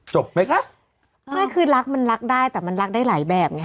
จบไหมคะไม่คือรักมันรักได้แต่มันรักได้หลายแบบไง